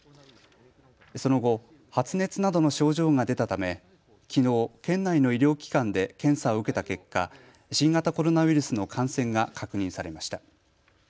その後、発熱などの症状が出たためきのう県内の医療機関で検査を受けた結果、新型コロナウイルスの感染が確認されました。